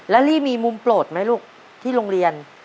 แล้วลี่มีมุมโปรดไหมลูกที่โรงเรียน